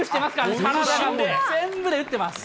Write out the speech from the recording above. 体全部で打ってます。